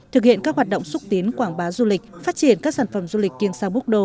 thực hiện các hoạt động xúc tiến quảng bá du lịch phát triển các sản phẩm du lịch kiêng sang búc đô